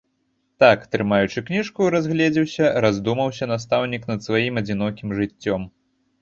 Так, трымаючы кніжку, разгледзеўся, раздумаўся настаўнік над сваім адзінокім жыццём.